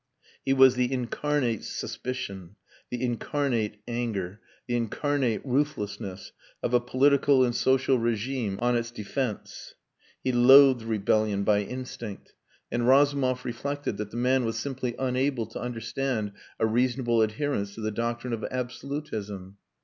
He was the incarnate suspicion, the incarnate anger, the incarnate ruthlessness of a political and social regime on its defence. He loathed rebellion by instinct. And Razumov reflected that the man was simply unable to understand a reasonable adherence to the doctrine of absolutism.